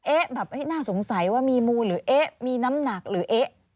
แบบน่าสงสัยว่ามีมูลหรือเอ๊ะมีน้ำหนักหรือเอ๊ะ